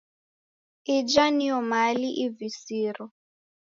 Ija niyo mali ivisiro.